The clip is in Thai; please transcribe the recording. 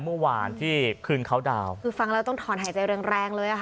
เมื่อวานที่คืนเขาดาวน์คือฟังแล้วต้องถอนหายใจแรงแรงเลยอ่ะค่ะ